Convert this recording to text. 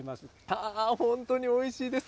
本当においしいです。